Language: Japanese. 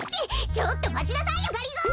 ちょっとまちなさいよがりぞー！